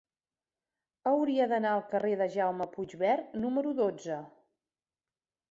Hauria d'anar al carrer de Jaume Puigvert número dotze.